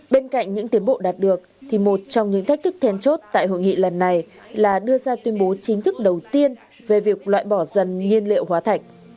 bên cạnh những tiến bộ đạt được thì một trong những thách thức thèn chốt tại hội nghị lần này là đưa ra tuyên bố chính thức đầu tiên về việc loại bỏ dần nhiên liệu hóa thạch